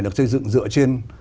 được xây dựng dựa trên